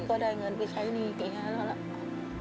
ก็ได้เงินไปใช้นี่กี่ครั้งแล้วล่ะ